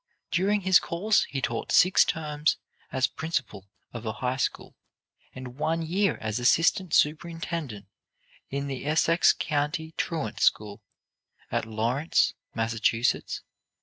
During his course he taught six terms as principal of a high school, and one year as assistant superintendent in the Essex County Truant School, at Lawrence, Mass.